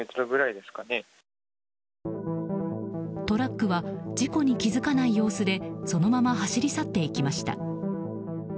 トラックは事故に気付かない様子でそのまま走り去っていきました。